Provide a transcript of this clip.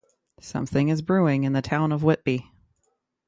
Something is brewing in the town of Whitby.